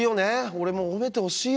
俺も褒めてほしいよ。